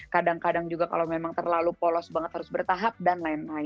kadang kadang juga kalau memang terlalu polos banget harus bertahan